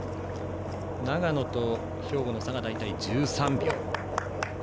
長野と兵庫の差が大体１３秒。